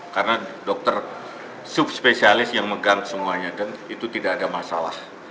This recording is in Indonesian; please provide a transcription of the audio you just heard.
karena dokter subspesialis yang megang semuanya dan itu tidak ada masalah